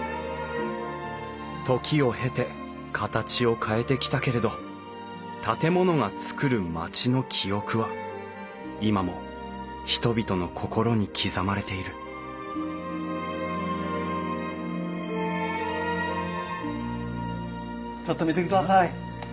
時を経て形を変えてきたけれど建物が作る街の記憶は今も人々の心に刻まれているちょっと見てください。